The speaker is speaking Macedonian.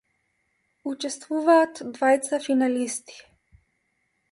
Учествуваат двајца финалисти.